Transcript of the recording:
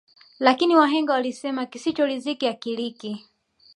Lakini wahenga walisema kisicho riziki akiliki